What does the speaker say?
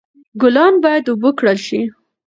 ګلان باید اوبه کړل شي.